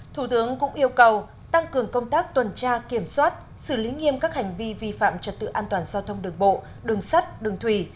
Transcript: thủ tướng cũng yêu cầu tăng cường công tác tuần tra kiểm soát xử lý nghiêm các hành vi vi phạm trật tự an toàn giao thông đường bộ đường sắt đường thủy